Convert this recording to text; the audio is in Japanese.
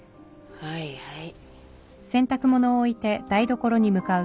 はいはい。